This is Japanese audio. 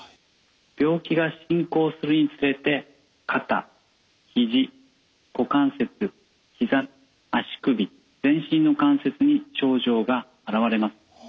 病気が進行するにつれて肩ひじ股関節ひざ足首全身の関節に症状が現れます。